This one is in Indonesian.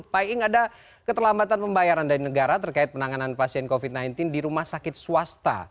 pak iing ada keterlambatan pembayaran dari negara terkait penanganan pasien covid sembilan belas di rumah sakit swasta